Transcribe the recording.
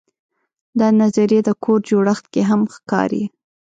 دا نظریه د کور جوړښت کې هم ښکاري.